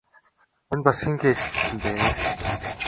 Энэ бас хэн гээч цэцэн бэ?